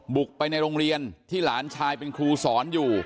บุกไปในโรงเรียนที่หลานชายเป็นครูสอนอยู่